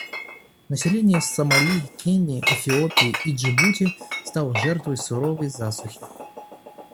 Население Сомали, Кении, Эфиопии и Джибути стало жертвой суровой засухи.